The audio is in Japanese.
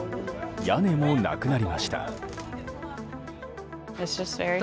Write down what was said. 屋根もなくなりました。